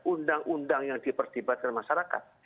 undang undang yang dipertibatkan masyarakat